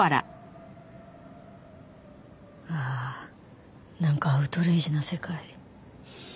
うわあなんかアウトレイジな世界。